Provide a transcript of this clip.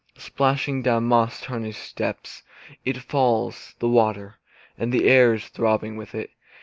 Splashing down moss tarnished steps It falls, the water; And the air is throbbing with it.